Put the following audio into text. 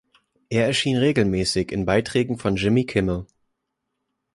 Er erschien regelmäßig in Beiträgen von Jimmy Kimmel.